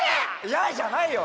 「ヤー！」じゃないよ！